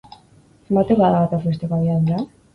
Zenbatekoa da batez besteko abiadura?